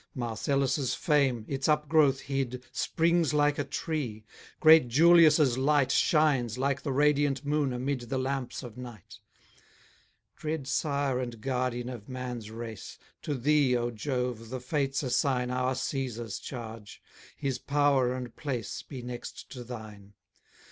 Marcellus' fame, its up growth hid, Springs like a tree; great Julius' light Shines, like the radiant moon amid The lamps of night. Dread Sire and Guardian of man's race, To Thee, O Jove, the Fates assign Our Caesar's charge; his power and place Be next to Thine.